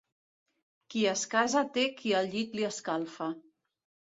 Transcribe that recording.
Qui es casa té qui el llit li escalfa.